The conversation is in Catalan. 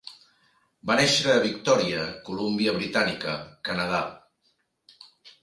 Va néixer a Victòria, Columbia Britànica, Canadà.